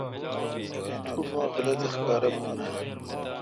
توٹھ مہ غلط احکارہ بھون اؘ۔